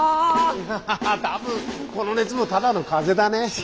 ハハハ多分この熱もただの風邪だね。